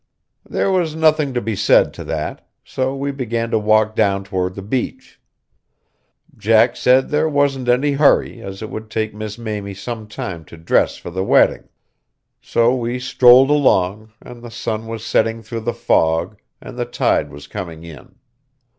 There was nothing to be said to that, so we began to walk down toward the beach. Jack said there wasn't any hurry, as it would take Miss Mamie some time to dress for the wedding. So we strolled along, and the sun was setting through the fog, and the tide was coming in.